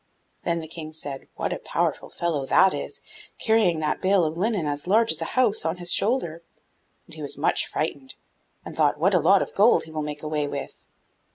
Then the King said, 'What a powerful fellow that is, carrying that bale of linen as large as a house on his shoulder!' and he was much frightened, and thought 'What a lot of gold he will make away with!